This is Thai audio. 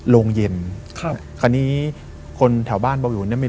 โรงเย็นคนนี้คนแถวบ้านบาปอยู่นี่